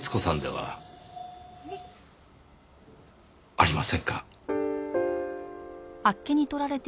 はい？ありませんか？